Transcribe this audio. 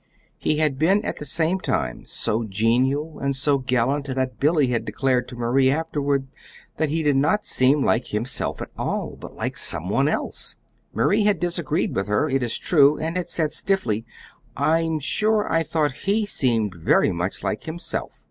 He had been at the same time so genial and so gallant that Billy had declared to Marie afterward that he did not seem like himself at all, but like some one else. Marie had disagreed with her, it is true, and had said stiffly: "I'm sure I thought he seemed very much like himself."